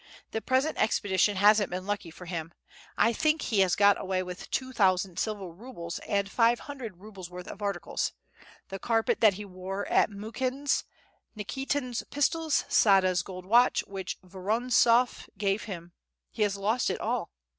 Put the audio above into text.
The present expedition hasn't been lucky for him. I think he has got away with two thousand silver rubles and five hundred rubles' worth of articles, the carpet that he won at Mukhin's, Nikitin's pistols, Sada's gold watch which Vorontsof gave him. He has lost it all."